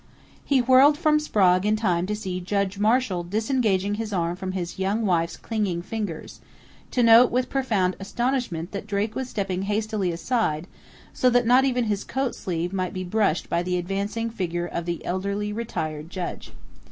He whirled from Sprague in time to see Judge Marshall disengaging his arm from his young wife's clinging fingers, to note, with profound astonishment, that Drake was stepping hastily aside, so that not even his coat sleeve might be brushed by the advancing figure of the elderly, retired judge.